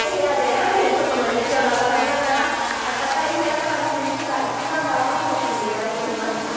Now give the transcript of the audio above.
暖かい部屋で外の雪を眺めながら暖かい部屋から見る雪がいちばんだワンとつぶやいていました。